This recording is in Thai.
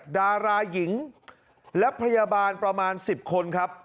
ดาราหญิงและพยาบาลประมาณ๑๐คนครับ